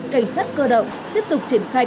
cảnh sát cơ động tiếp tục triển khai